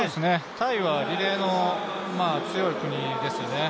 タイはリレーの強い国ですね。